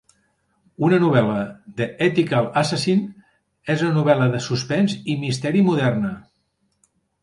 Una novel·la, "The Ethical Assassin", és una novel·la de suspens i misteri moderna.